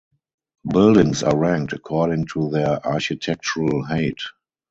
Buildings are ranked according to their architectural height.